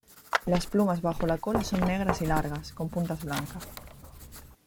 Las plumas bajo la cola son negras y largas, con puntas blancas.